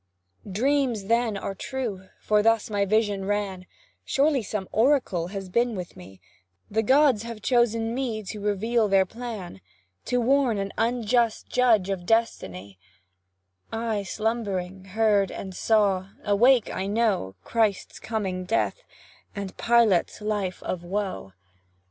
Dreams, then, are true for thus my vision ran; Surely some oracle has been with me, The gods have chosen me to reveal their plan, To warn an unjust judge of destiny: I, slumbering, heard and saw; awake I know, Christ's coming death, and Pilate's life of woe.